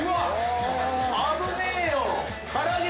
危ねえよ。